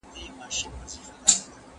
¬ خداى خبر دئ، چي تره کافر دئ.